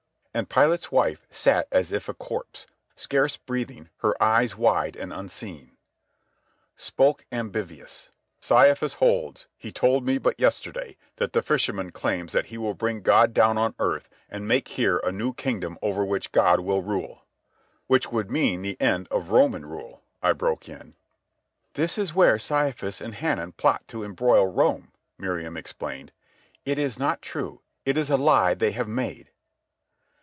And Pilate's wife sat as if a corpse, scarce breathing, her eyes wide and unseeing. Spoke Ambivius: "Caiaphas holds—he told me but yesterday—that the fisherman claims that he will bring God down on earth and make here a new kingdom over which God will rule—" "Which would mean the end of Roman rule," I broke in. "That is where Caiaphas and Hanan plot to embroil Rome," Miriam explained. "It is not true. It is a lie they have made."